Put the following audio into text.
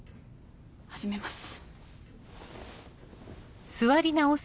始めます。